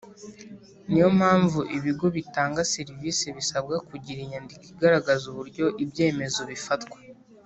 ni yo mpamvu ibigo bitanga serivisi bisabwa kugira inyandiko igaragaza uburyo ibyemezo bifatwa,